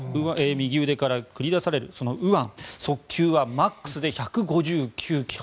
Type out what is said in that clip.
右腕から繰り出されるその右腕、速球はマックスで１５９ｋｍ。